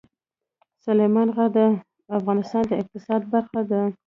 سلیمان غر د افغانستان د اقتصاد برخه ده.